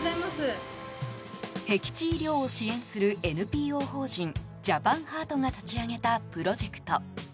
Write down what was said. へき地医療を支援するＮＰ０法人ジャパンハートが立ち上げたプロジェクト。